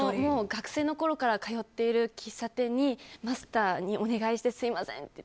学生のころから通っている喫茶店にマスターにお願いしてすみませんって。